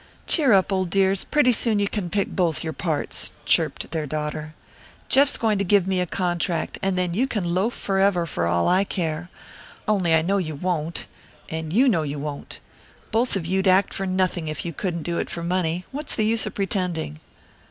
"Cheer up, old dears! Pretty soon you can both pick your parts," chirped their daughter. "Jeff's going to give me a contract, and then you can loaf forever for all I care. Only I know you won't, and you know you won't. Both of you'd act for nothing if you couldn't do it for money. What's the use of pretending?"